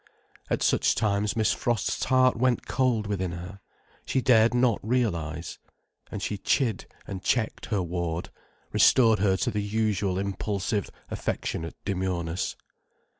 At such times Miss Frost's heart went cold within her. She dared not realize. And she chid and checked her ward, restored her to the usual impulsive, affectionate demureness.